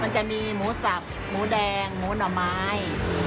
มันจะมีหมูสับหมูแดงหมูหน่อไม้